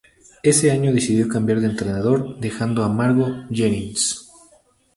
Ese año decidió cambiar de entrenador, dejando a Margo Jennings.